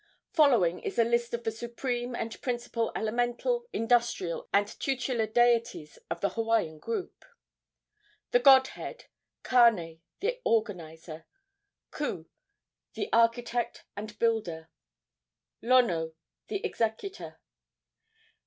Following is a list of the supreme and principal elemental, industrial and tutelar deities of the Hawaiian group: The Godhead. Kane, the organizer. Ku, the architect and builder. Lono, the executor.